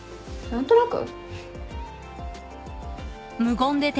何となく？